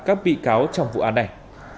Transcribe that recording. các bị cáo trong vụ án này